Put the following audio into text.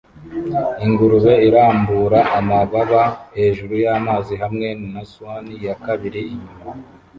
Ingurube irambura amababa hejuru y'amazi hamwe na swan ya kabiri inyuma